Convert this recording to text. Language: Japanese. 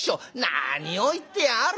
何を言ってやがる。